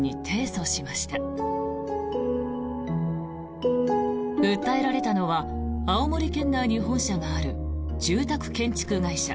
訴えられたのは青森県内に本社がある住宅建築会社